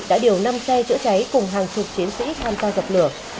đã điều năm xe chữa cháy cùng hàng chục chiến sĩ tham gia dập lửa